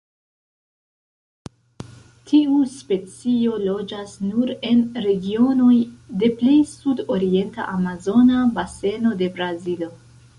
Tiu specio loĝas nur en regionoj de plej sudorienta Amazona Baseno de Brazilo.